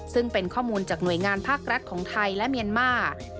ซึ่งเป็นข้อมูลจากหน่วยงานภาครัฐของไทยและเมียนมาร์